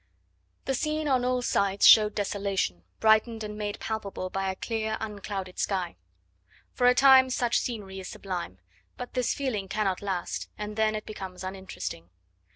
The scene on all sides showed desolation, brightened and made palpable by a clear, unclouded sky. For a time such scenery is sublime, but this feeling cannot last, and then it becomes uninteresting.